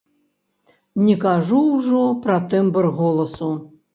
Не кажу ўжо пра тэмбр голасу.